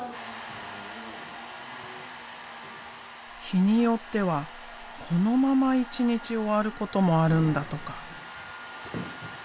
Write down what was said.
日によってはこのまま一日終わることもあるんだとか。